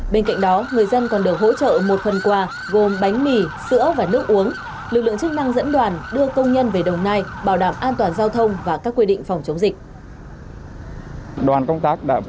bên cạnh đó người dân còn được hỗ trợ một phần quà gồm bánh mì sữa và nước uống